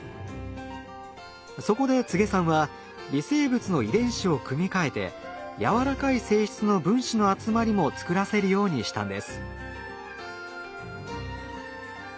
そこで柘植さんは微生物の遺伝子を組み換えてやわらかい性質の分子の集まりも作らせるようにしたんです。